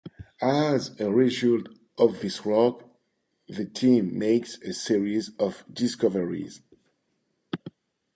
As a result of this work, the team makes a series of discoveries.